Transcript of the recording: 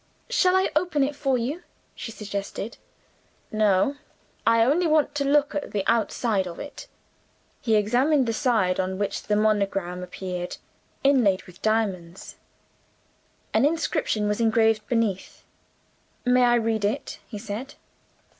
"Shall I open it for you?" she suggested. "No: I only want to look at the outside of it." He examined the side on which the monogram appeared, inlaid with diamonds. An inscription was engraved beneath. "May I read it?" he said.